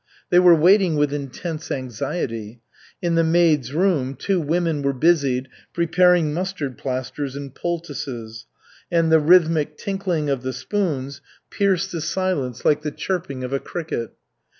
They were waiting with intense anxiety. In the maids' room two women were busied preparing mustard plasters and poultices, and the rhythmic tinkling of the spoons pierced the silence like the chirping of a cricket.